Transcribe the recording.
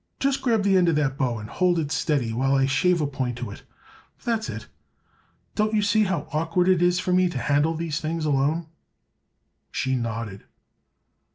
"Just grab the end of that bow and hold it steady while I shave a point to it. That's it. Don't you see how awkward it is for me to handle these things alone?" She nodded.